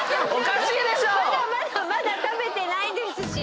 まだ食べてないですし。